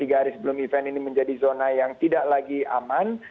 tiga hari sebelum event ini menjadi zona yang tidak lagi aman